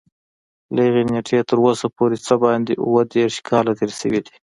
له هغې نېټې تر اوسه پورې څه باندې اووه دېرش کاله تېر شوي دي.